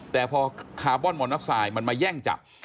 แต่พอคาร์บอนมอนออกไซด์มันมาแย่งจับ